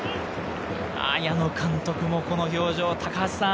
矢野監督もこの表情。